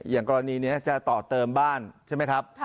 อย่างกรณีนี้จะต่อเติมบ้านใช่ไหมครับ